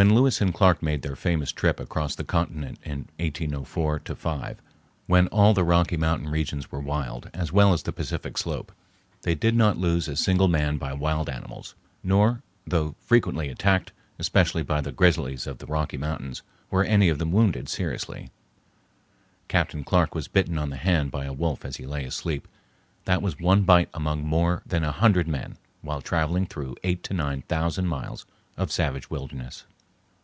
When Lewis and Clark made their famous trip across the continent in 1804 05, when all the Rocky Mountain region was wild, as well as the Pacific Slope, they did not lose a single man by wild animals, nor, though frequently attacked, especially by the grizzlies of the Rocky Mountains, were any of them wounded seriously. Captain Clark was bitten on the hand by a wolf as he lay asleep; that was one bite among more than a hundred men while traveling through eight to nine thousand miles of savage wilderness.